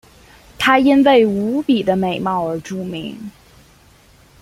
她因为无比的美貌而著名。